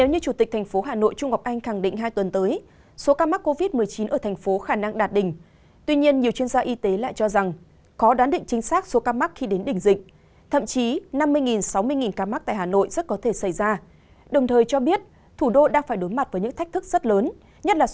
hãy đăng ký kênh để ủng hộ kênh của chúng mình nhé